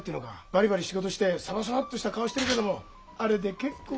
バリバリ仕事してサバサバッとした顔してるけどもあれで結構。